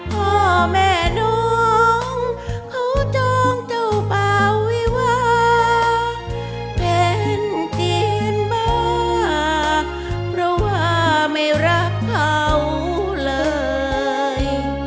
พ่อแม่น้องเขาจองเจ้าป่าวิวาแฟนเจียนมาเพราะว่าไม่รักเขาเลย